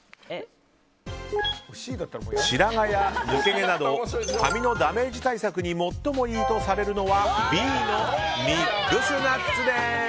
白髪や抜け毛など髪のダメージ対策に最もいいとされるのはＢのミックスナッツです。